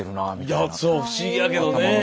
いやそう不思議やけどねえ。